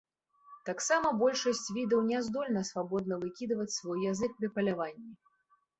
Таксама большасць відаў не здольна свабодна выкідваць свой язык пры паляванні.